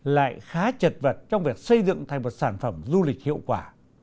lại khá chật vật trong việc xây dựng thành một sản phẩm du lịch hiệu quả